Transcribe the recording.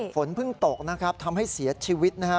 ฝนตกนะครับทำให้เสียชีวิตนะฮะ